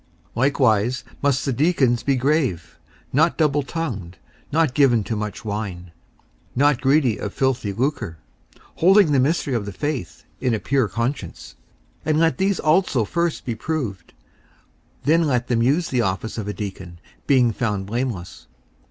54:003:008 Likewise must the deacons be grave, not doubletongued, not given to much wine, not greedy of filthy lucre; 54:003:009 Holding the mystery of the faith in a pure conscience. 54:003:010 And let these also first be proved; then let them use the office of a deacon, being found blameless.